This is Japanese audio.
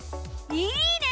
いいね！